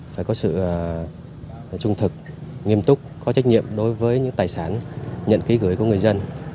phải có sự trung thực nghiêm túc có trách nhiệm đối với những tài sản nhận ký gửi của người dân